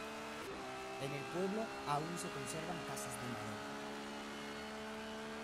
En el pueblo, aún se conservan casas de madera.